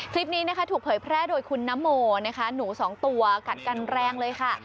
คลิปนี้นะคะถูกเผยแพร่โดยคุณนโมนะคะหนูสองตัวกัดกันแรงเลยค่ะ